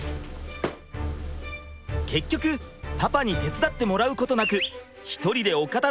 結局パパに手伝ってもらうことなく１人でお片づけ終了です！